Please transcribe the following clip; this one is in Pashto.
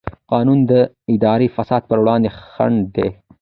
قانون د اداري فساد پر وړاندې خنډ دی.